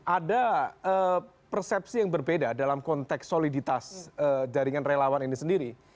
ada persepsi yang berbeda dalam konteks soliditas jaringan relawan ini sendiri